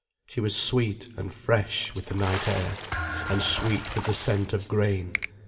She was sweet and fresh with the night air, and sweet with the scent of grain.